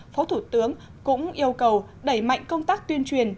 phó thủ tướng cũng yêu cầu đẩy mạnh công tác tuyên truyền